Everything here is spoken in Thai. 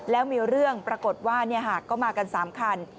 แล้วมีเรื่องปรากฏว่าก็มากัน๓คัน